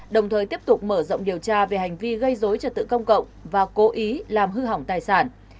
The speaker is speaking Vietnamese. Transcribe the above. đồng thời tiếp tục mở rộng điều tra về hành vi gây dối trật tự công cộng và cố ý làm hư hỏng tài sản